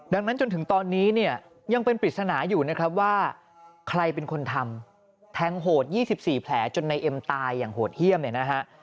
ดังนั้นจนถึงตอนนี้เนี่ยยังเป็นปริศนาอยู่นะครับว่าใครเป็นคนทำแทงโหด๒๔แผลจนในเอ็มตายอย่างโหดเยี่ยมเนี่ยนะฮะ